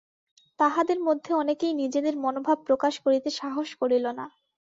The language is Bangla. তাহাদের মধ্যে অনেকেই নিজেদের মনোভাব প্রকাশ করিতে সাহস করিল না।